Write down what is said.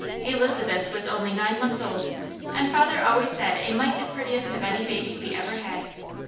Elizabeth was only nine months old, and father always said a mite the prettiest of any baby we ever had.